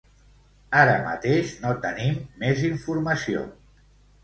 Ara mateix no tenim més informació.